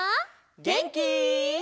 げんき？